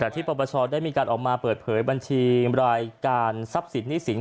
แต่ที่ปปชได้มีการออกมาเปิดเผยบัญชีรายการทรัพย์สินหนี้สิน